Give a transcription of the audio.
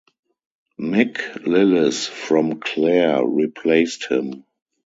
Mick Lillis from Clare replaced him.